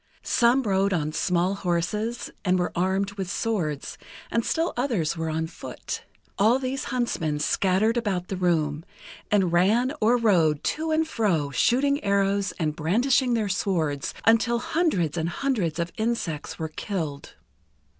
Some rode on small horses, and were armed with swords, and still others were on foot. All these huntsmen scattered about the room, and ran or rode, to and fro, shooting arrows, and brandishing their swords; until hundreds and hundreds of insects were killed.